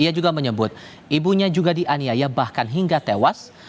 ia juga menyebut ibunya juga dianiaya bahkan hingga tewas